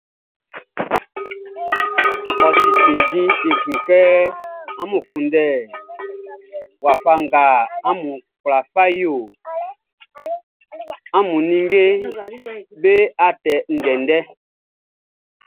Ɔ ti cinnjin ekun kɛ amun kunndɛ wafa nga amun kwla yo amun ninngeʼm be atɛ ndɛndɛʼn.